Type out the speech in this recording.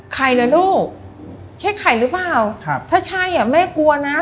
ใครเหรอลูกใช่ไข่หรือเปล่าครับถ้าใช่อ่ะแม่กลัวนะ